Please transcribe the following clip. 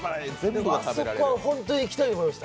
あそこは本当に行きたいところでした。